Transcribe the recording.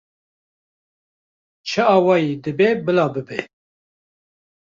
Çi awayî dibe bila bibe